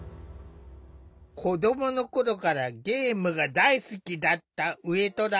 子どもの頃からゲームが大好きだった上虎。